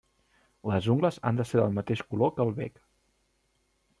Les ungles han de ser del mateix color que el bec.